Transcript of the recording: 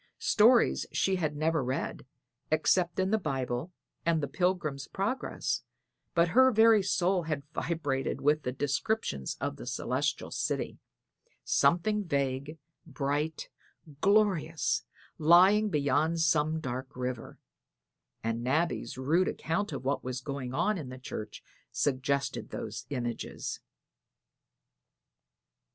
Stories she had never read, except in the Bible and the Pilgrim's Progress, but her very soul had vibrated with the descriptions of the celestial city something vague, bright, glorious, lying beyond some dark river; and Nabby's rude account of what was going on in the church suggested those images.